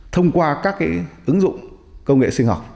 thông qua các ứng dụng công nghệ sinh học